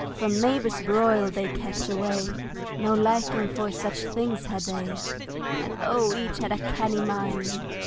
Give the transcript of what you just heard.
From neighbor's broil they kept away No liking for such things had they, And O, each had a cannie mind!